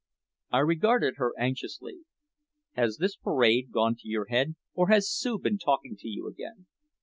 I regarded her anxiously: "Has this parade gone to your head or has Sue been talking to you again?"